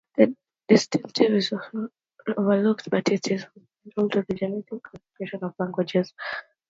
This distinction is often overlooked but is fundamental to the genetic classification of languages.